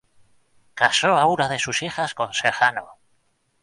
Casó a una de sus hijas con Sejano.